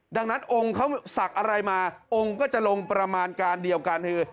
ดังนั้นองค์เขาศักดิ์อะไรมาองค์ก็จะลงประมาณการเดียวกันคือ